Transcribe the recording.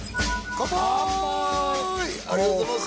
乾杯ありがとうございます